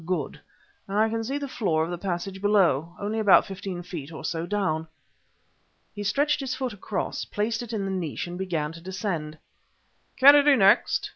Good! I can see the floor of the passage below; only about fifteen feet or so down." He stretched his foot across, placed it in the niche and began to descend. "Kennedy next!"